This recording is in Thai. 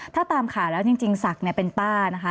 ถ้าตามข่าวแล้วจริงศักดิ์เป็นป้านะคะ